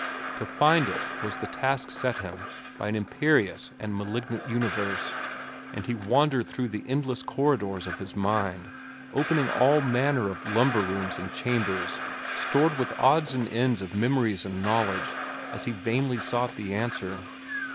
To find it was the task set him by an imperious and malignant universe, and he wandered through the endless corridors of his mind, opening all manner of lumber rooms and chambers stored with odds and ends of memories and knowledge as he vainly sought the answer.